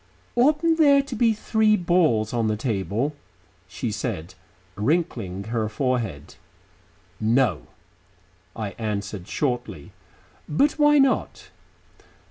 "Oughtn't there to be three balls on the table?" she said, wrinkling her forehead. "No," I answered shortly. "But why not?"